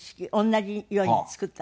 同じように作った。